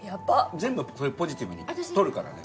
全部ポジティブに取るからね。